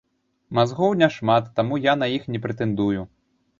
Мазгоў няшмат, таму я на іх не прэтэндую.